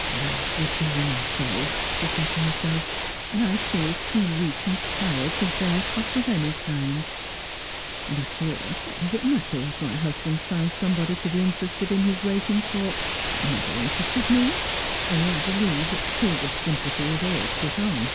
" Blanche woi; ld go on so," she said to herself, " and I feel too weak and tired to bear fuss of any kind. And after all what dues it matter if my husband has found somebody to be inte rested in his racing talk ? It never interested me ; only I be lieve that Hilda's sympathy is all put on.